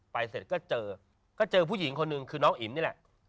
เสร็จก็เจอก็เจอผู้หญิงคนหนึ่งคือน้องอินนี่แหละ